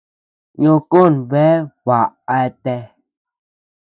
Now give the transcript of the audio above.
Ño kon bea baʼa eatea.